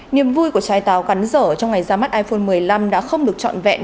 nhiềm vui của trái tàu cắn rở trong ngày ra mắt iphone một mươi năm đã không được trọn vẹn